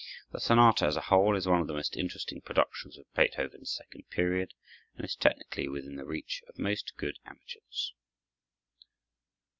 The sonata as a whole is one of the most interesting productions of Beethoven's second period, and is technically within the reach of most good amateurs.